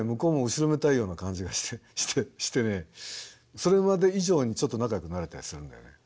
それまで以上にちょっと仲よくなれたりするんだよね。